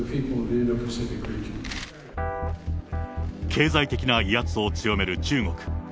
経済的な威圧を強める中国。